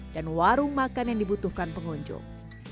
dan warung makan yang dibutuhkan pengunjung